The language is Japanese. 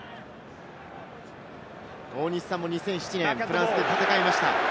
大西さんは２００７年、フランスで戦いました。